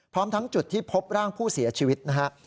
พร้อมทั้งจุดที่พบร่างผู้เสียชีวิตนะฮะ